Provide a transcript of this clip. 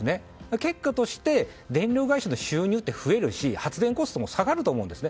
結果として電力会社の収入も増えるし発電コストも下がると思うんですね。